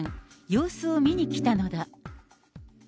様子を見に来たのだ。